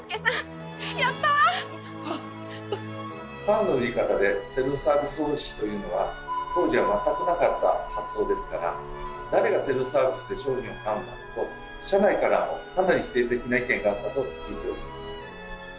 パンの売り方でセルフサービス方式というのは当時は全くなかった発想ですから「誰がセルフサービスで商品を買うんだ」と社内からもかなり否定的な意見があったと聞いております。